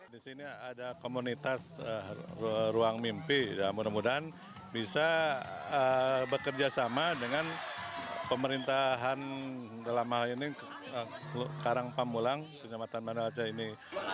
di sini ada komunitas ruang mimpi mudah mudahan bisa bekerja sama dengan pemerintahan dalam hal ini karangpamulang kecamatan manalaca ini